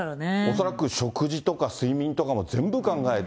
恐らく食事とか睡眠とかも、全部考えて。